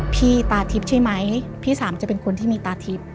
พี่ตาทิพย์ใช่ไหมพี่สามจะเป็นคนที่มีตาทิพย์